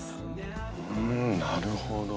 うんなるほど。